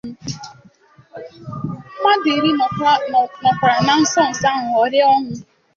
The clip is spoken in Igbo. mmadụ iri nọkwara na nsonso a ghọrịa ọnwụ